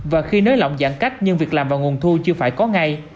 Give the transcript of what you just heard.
và khi nới lỏng giãn cách nhưng việc làm và nguồn thu chưa phải có ngay